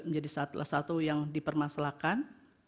menjadi salah satu yang dipermasalahkan